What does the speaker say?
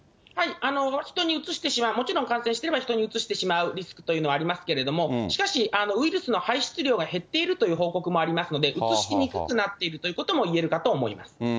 人にうつしてしまう、もちろん感染していれば人にうつしてしまうリスクというのはありますけれども、しかし、ウイルスの排出量が減っているという報告もありますので、うつしにくくなっているということも言えるかと思います。